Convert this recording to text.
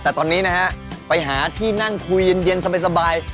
แต่ตอนนี้นะฮะไปหาที่นั่งคุยเย็นสบาย